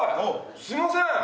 すいません！